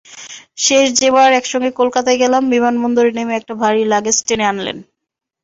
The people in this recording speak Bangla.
শেষ যেবার একসঙ্গে কলকাতা গেলাম, বিমানবন্দরে নেমে একটা ভারী লাগেজ টেনে আনলেন।